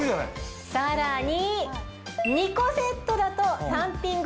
さらに。